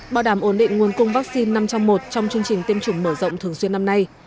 bảo đảm ổn định nguồn cung vaccine năm trong một trong chương trình tiêm chủng mở rộng thường xuyên năm nay